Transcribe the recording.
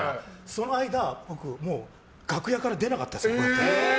その間、僕楽屋から出なかったですから。